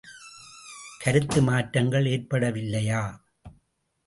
கருத்து மாற்றங்கள் ஏற்படவில்லையா?